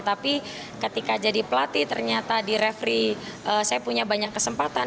tapi ketika jadi pelatih ternyata di referee saya punya banyak kesempatan